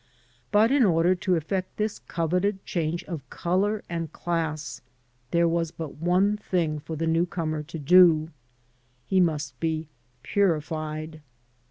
But in order to effect this coveted change of color and class there was but one thing for the new comer to do — ^he must be purified.